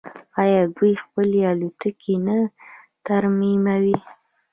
آیا دوی خپلې الوتکې نه ترمیموي؟